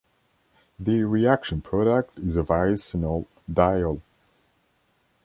The reaction product is a vicinal diol.